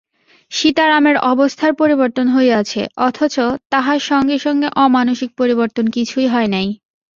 সীতারামের অবস্থার পরিবর্তন হইয়াছে, অথচ তাহার সঙ্গে সঙ্গে আনুষঙ্গিক পরিবর্তন কিছুই হয় নাই।